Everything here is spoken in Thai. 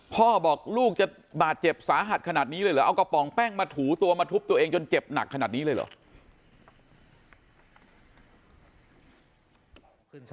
พ่อบอกลูกจะบาดเจ็บสาหัสขนาดนี้เลยเหรอเอากระป๋องแป้งมาถูตัวมาทุบตัวเองจนเจ็บหนักขนาดนี้เลยเหรอ